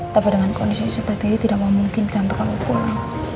tapi dengan kondisi seperti ini tidak memungkinkan untuk kalau pulang